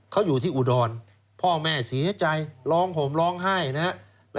เขาอยู่ที่อุดรพ่อแม่เสียใจร้องห่มร้องไห้นะครับ